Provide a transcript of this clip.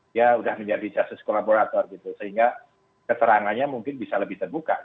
dia sudah menjadi jasus kolaborator sehingga keterangannya mungkin bisa lebih terbuka